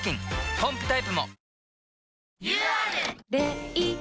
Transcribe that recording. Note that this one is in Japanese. ポンプタイプも！